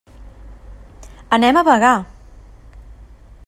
Anem a Bagà.